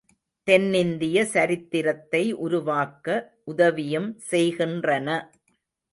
தென்னிந்திய சரித்திரத்தை உருவாக்க உதவியும் செய்கின்றன.